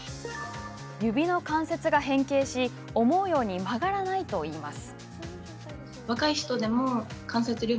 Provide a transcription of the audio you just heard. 指の関節が変形し思うように曲がらないといいます。